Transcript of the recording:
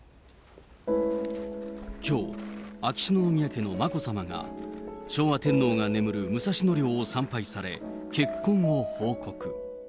きょう、秋篠宮家の眞子さまが、昭和天皇が眠る武蔵野陵を参拝され、結婚を報告。